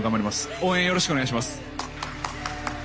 応援よろしくお願いします。